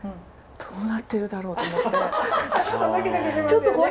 どうなってるだろうと思って。